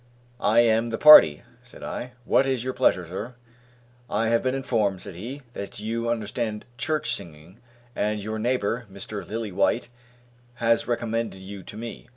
"I am the party," said I; "what is your pleasure, sir?" "I have been informed," said he, "that you understand church singing, and your neighbour, Mr. Lillywhite, has recommended you to me."